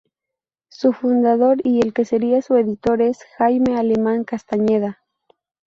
Su fundador y el que seria su editor es Jaime Alemán Castañeda.